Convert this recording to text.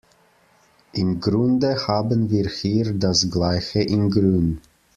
Im Grunde haben wir hier das Gleiche in Grün.